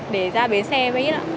để ra bến xe với ít ạ